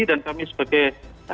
dan kami sebagai